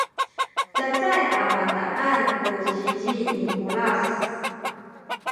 cacay a bataan ku sizi ni Kulas